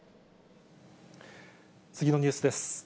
次のニュースです。